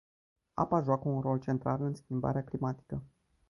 Apa joacă un rol central în schimbarea climatică.